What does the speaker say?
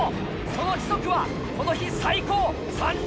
その時速はこの日最高３８ｋｍ。